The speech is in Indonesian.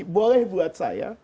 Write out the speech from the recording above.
boleh buat saya